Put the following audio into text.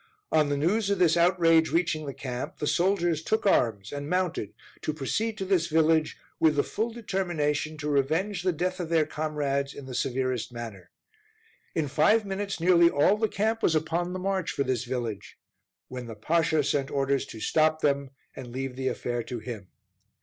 On the news of this outrage reaching the camp, the soldiers took arms, and mounted, to proceed to this village, with the full determination to revenge the death of their comrades in the severest manner. In five minutes nearly all the camp was upon the march for this village, when the Pasha sent orders to stop them and leave the affair to him.